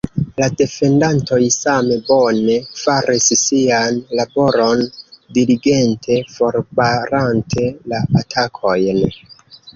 La defendantoj same bone faris sian laboron, diligente forbarante la atakojn.